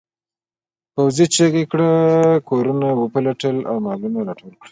پوځي چیغه کړه کورونه وپلټئ او مالونه راټول کړئ.